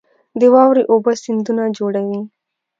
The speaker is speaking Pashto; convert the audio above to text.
د واورې اوبه سیندونه جوړوي